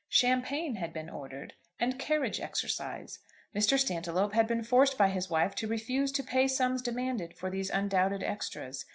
Champagne had been ordered, and carriage exercise. Mr. Stantiloup had been forced by his wife to refuse to pay sums demanded for these undoubted extras.